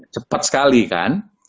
cepat sekali kan